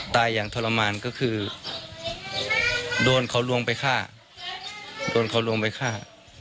ตายอย่างทรมานก็คือโดนเขาลวงไปฆ่าโดนเขาลวงไปฆ่า